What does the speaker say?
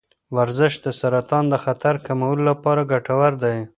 ورزش د سرطان د خطر کمولو لپاره ګټور دی.